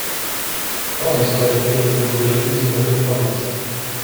Pro historiky je to důležitý zdroj informací.